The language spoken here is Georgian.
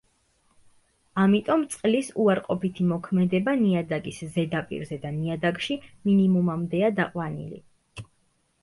ამიტომ წყლის უარყოფითი მოქმედება ნიადაგის ზედაპირზე და ნიადაგში მინიმუმამდეა დაყვანილი.